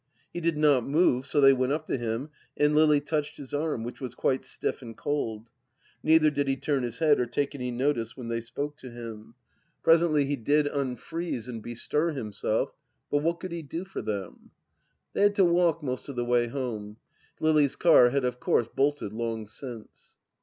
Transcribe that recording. He did not move, so they went up to him and Lily touched his arm, which was quite stiff and cold. ... Neither did he turn his head or take any notice when they spoke to him. ... 224 THE LAST DITCH Presently he did unfreeze and bestir himself ; but what could he do for them ? They had to walk most of the way home. Lily's car had of course bolted long since.